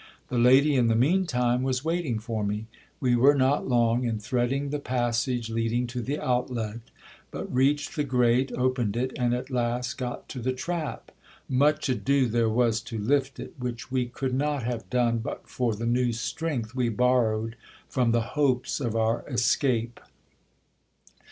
The lady in the mean time was waiting for me. We were not long in threading the passage leading to the outlet ; but reached the grate, opened it, and at last got to the trap. Much ado there was to lift it, which we could not have done, but for the new strength we borrowed from the hopes of our escape.